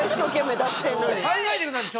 考えてください